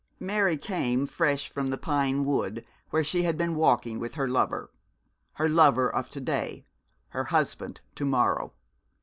Mary came, fresh from the pine wood, where she had been walking with her lover; her lover of to day, her husband to morrow.